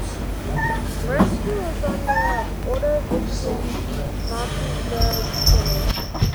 Branchville is on the Ordovician Martinsburg Formation.